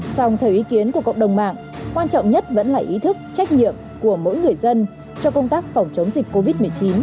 xong theo ý kiến của cộng đồng mạng quan trọng nhất vẫn là ý thức trách nhiệm của mỗi người dân cho công tác phòng chống dịch covid một mươi chín